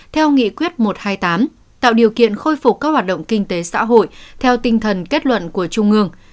theo nghị quyết một trăm hai mươi tám tạo điều kiện khôi phục các hoạt động kinh tế xã hội theo tinh thần kết luận của trung ương